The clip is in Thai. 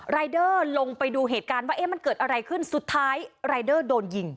รายเดอร์ลงไปดูเหตุการณ์ว่าเอ๊ะมันเกิดอะไรขึ้นสุดท้ายรายเดอร์โดนยิง